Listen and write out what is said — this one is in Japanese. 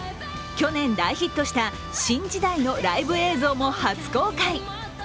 去年大ヒットした「新時代」のライブ映像も初公開。